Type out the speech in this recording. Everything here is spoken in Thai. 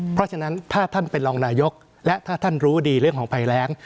เพราะฉะนั้นถ้าท่านเป็นรองนายกและถ้าท่านรู้ดีเรื่องของภัยแรง